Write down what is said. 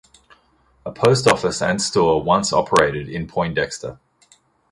A post office and store once operated in Poindexter.